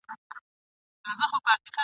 بې نصیبه له ارغنده پردی سوی له هلمنده ..